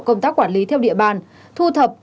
công tác quản lý theo địa bàn thu thập